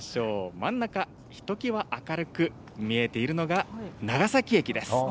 真ん中、ひときわ明るく見えているのが、長崎駅です。